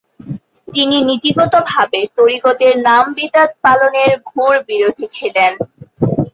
তিনি নীতিগতভাবে তরিকতের নাম বিদআত পালনের ঘাের বিরােধী ছিলেন।